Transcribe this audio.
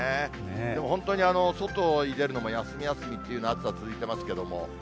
でも本当に、外に出るのも休み休みという暑さが続いてますけど。